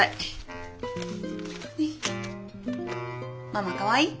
ママかわいい？